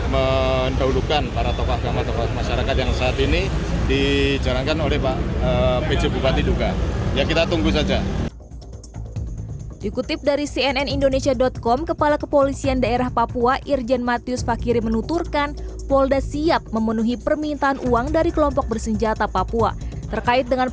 mendaulukan para tokoh agama tokoh masyarakat yang saat ini dijalankan oleh pak pejabupati duka